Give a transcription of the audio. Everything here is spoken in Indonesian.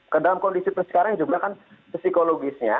kedalam kondisi itu sekarang juga kan psikologisnya